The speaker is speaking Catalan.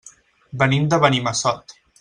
Venim de Benimassot.